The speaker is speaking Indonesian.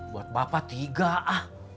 buat bapak tiga ah